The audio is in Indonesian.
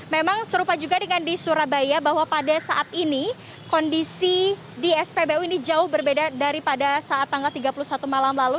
memang serupa juga dengan di surabaya bahwa pada saat ini kondisi di spbu ini jauh berbeda daripada saat tanggal tiga puluh satu malam lalu